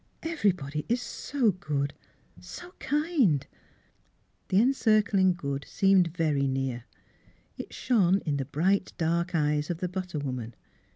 "Everybody is so good — so kind !" The Encircling Good seemed very near. It shone in the bright dark eyes of the butter woman.